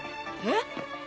えっ？